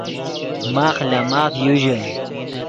ماخ لے ماف یو ژے